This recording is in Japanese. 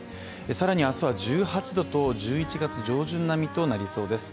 更に明日は１８度と１１月上旬並みとなりそうです。